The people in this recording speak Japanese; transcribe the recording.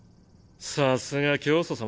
さすが教祖様。